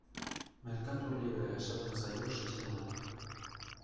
Merkatu librea esaten zaio sistemari.